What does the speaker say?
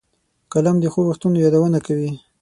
قلم د ښو وختونو یادونه کوي